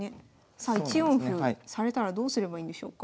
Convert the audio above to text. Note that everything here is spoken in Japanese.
さあ１四歩されたらどうすればいいんでしょうか？